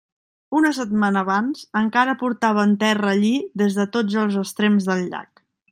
Una setmana abans encara portaven terra allí des de tots els extrems del llac.